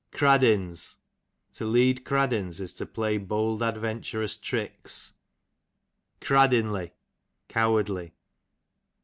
Craddins, to lead craddins is to pilay bold adventurous tricks. Craddinly, cowardly.